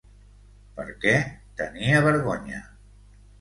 Per què tenia vergonya...